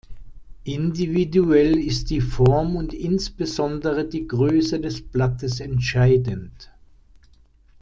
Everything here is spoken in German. Individuell ist die Form und insbesondere die Größe des Blattes entscheidend.